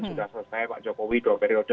sudah selesai pak jokowi dua periode